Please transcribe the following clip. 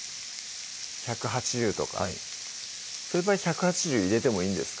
１８０とかそういう場合１８０入れてもいいんですか？